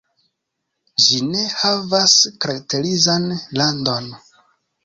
Ĝi ne havas karakterizan randon.